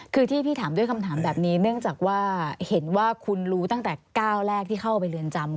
คือที่พี่ถามด้วยคำถามแบบนี้เนื่องจากว่าเห็นว่าคุณรู้ตั้งแต่ก้าวแรกที่เข้าไปเรือนจำ